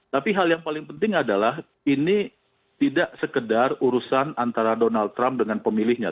tapi hal yang paling penting adalah ini tidak sekedar urusan antara donald trump dengan pemilihnya